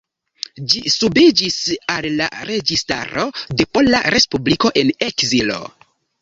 Ĝi subiĝis al la Registaro de Pola Respubliko en ekzilo.